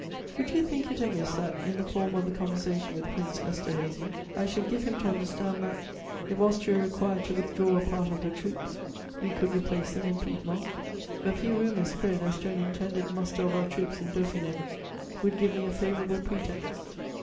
Would you think it amiss that, in the form of a conversation with Prince Esterhazy, I should give him to understand that, if Austria required to withdraw a part of her troops, we could replace them in Piedmont? A few rumours spread as to an intended muster of our troops in Dauphiné would give me a favourable pretext.